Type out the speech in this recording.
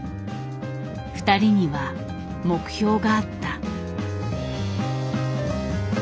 ふたりには目標があった。